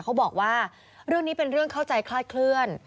เขาบอกว่าเรื่องนี้เป็นเรื่องเข้าใจคลาดเคลื่อน